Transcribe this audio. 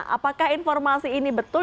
apakah informasi ini betul